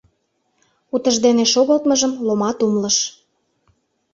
Утыждене шогылтмыжым Ломат умылыш.